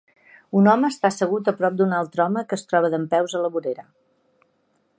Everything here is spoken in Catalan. Un home està assegut a prop d'un altre home que es troba dempeus a la vorera.